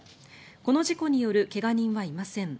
この事故による怪我人はいません。